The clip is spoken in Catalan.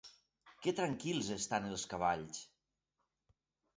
Que tranquils estan els cavalls!